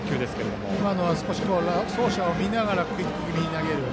今のは走者を見てクイック気味に投げる。